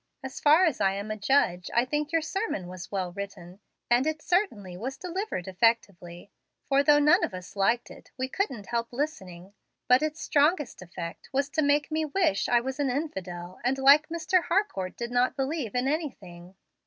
As far as I am a judge I think your sermon was well written, and it certainly was delivered effectively; for, though none of us liked it, we couldn't help listening. But its strongest effect was to make me wish I was an infidel and, like Mr. Harcourt, did not believe in anything.